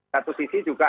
satu sisi juga